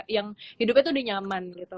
yang hidupnya tuh udah nyaman